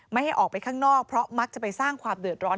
ไม่ให้ออกไปข้างนอกเพราะมักจะไปสร้างความเดือดร้อน